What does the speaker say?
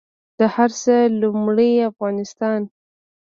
د هر څه لومړۍ افغانستان